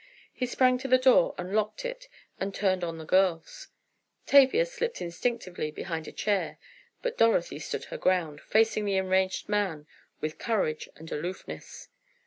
He sprang to the door and locked it and turned on the girls. Tavia slipped instinctively behind a chair, but Dorothy stood her ground, facing the enraged man with courage and aloofness.